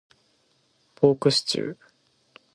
ポークシチュー